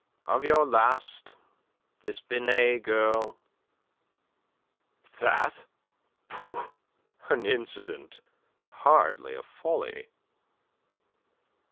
"Of your last. This Binet girl." "That! Pooh! An incident; hardly a folly."